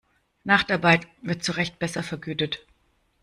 Nachtarbeit wird zurecht besser vergütet.